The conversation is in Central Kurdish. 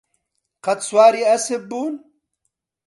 قەت سواری ئەسپ بوون؟